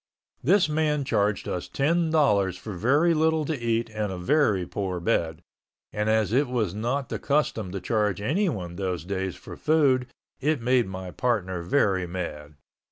This man charged us ten dollars for very little to eat and a very poor bed, and as it was not the custom to charge anyone those days for food it made my partner very mad.